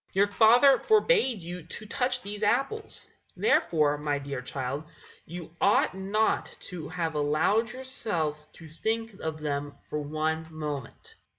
Your father forbade you to touch these apples; therefore, my dear child, you ought not to have allowed yourself to think of them for one moment.